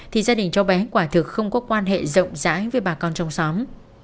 thì gia đình cháu bé quả thực không có quan hệ rộng rãi với bà con trong xóm